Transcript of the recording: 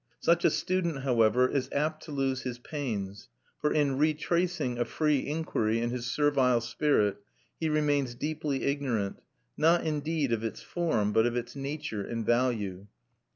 Such a student, however, is apt to lose his pains; for in retracing a free inquiry in his servile spirit, he remains deeply ignorant, not indeed of its form, but of its nature and value.